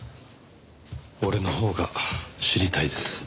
俺のほうが知りたいです。